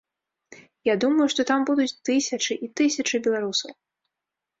Я думаю, што там будуць тысячы і тысячы беларусаў.